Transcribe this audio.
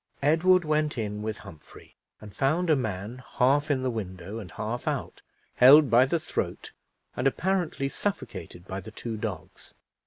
Edward went in with Humphrey, and found a man half in the window and half out, held by the throat and apparently suffocated by the two dogs.